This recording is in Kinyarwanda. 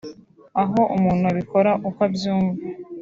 aho umuntu abikora uko abyumva